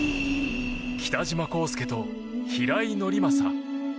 北島康介と平井伯昌。